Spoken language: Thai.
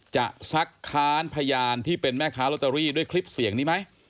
จะซักค้านพยานที่เป็นแม่ค้าลอตเตอรี่ด้วยคลิปเสียงนี้ไหม